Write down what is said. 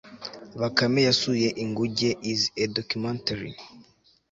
Bakame Yasuye Inguge is a documentary